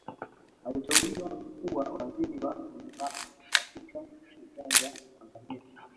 aliteuliwa kuwa waziri wa muungano katika serikali ya tanzania